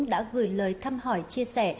đã gửi lời thăm hỏi chia sẻ